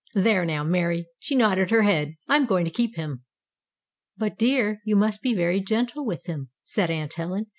There now, Mary, she nodded her head! I'm going to keep him." "But, dear, you must be very gentle with him," said Aunt Helen.